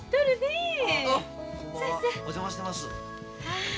お邪魔してます。